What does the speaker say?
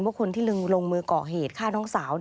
ว่าคนที่ลงมือก่อเหตุฆ่าน้องสาว